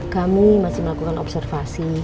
kami masih melakukan observasi